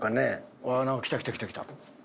うわあなんか来た来た来た来た。